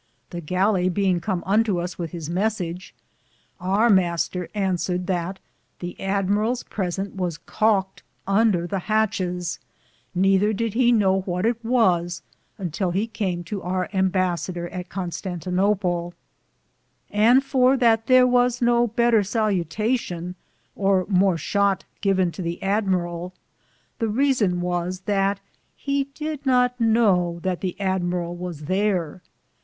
The gallie beinge com unto us with his messege ourMr. answered that the Amberal's presente was caked^ under the hatchis, nether did he know what it was untill he came to our imbassador at Constantinople ; and for that thare was no better salutation, or more shott given to the Amberall, the reason was That he did [not] knowe that the Amberall was thare.